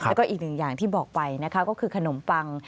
แล้วก็อีกหนึ่งอย่างที่บอกไปนะคะก็คือขนมปัง